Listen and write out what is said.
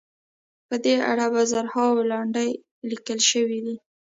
په دې اړه به زرهاوو لنډۍ لیکل شوې وي.